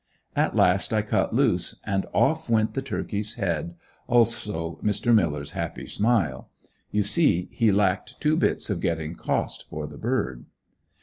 At last I cut loose and off went the turkey's head, also Mr. Miller's happy smile. You see he lacked "two bits" of getting cost for the bird.